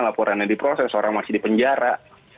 laporannya diproses orang masih di penjara